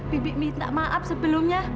bibi minta maaf sebelumnya